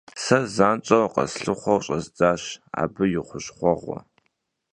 Сэ занщӀэу къэслъыхъуэу щӀэздзащ абы и хущхъуэгъуэ.